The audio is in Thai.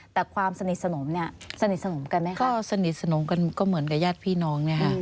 แต่ความสนิทสนมเนี่ยสนิทสนมกันไหมคะก็สนิทสนมกันก็เหมือนกับญาติพี่น้องเนี่ยค่ะ